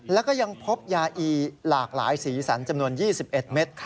แล้วก็ยังพบยาอีหลากหลายสีสันจำนวน๒๑เมตร